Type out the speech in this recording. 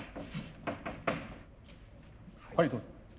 はいどうぞ。